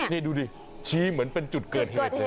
นี่ดูดิชี้เหมือนเป็นจุดเกิดเหตุเลย